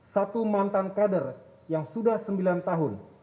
satu mantan kader yang sudah sembilan tahun